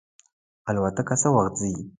الوتکه څه وخت ځي؟